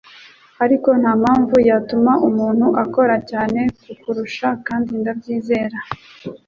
ariko ntampanvu yatuma umuntu akora cyane kukurusha - kandi ndabyizera.”